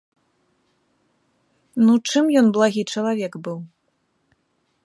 Ну чым ён благі чалавек быў?